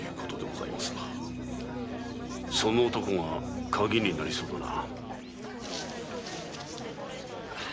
その男が鍵になりそうだな。